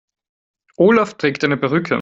Olaf trägt eine Perücke.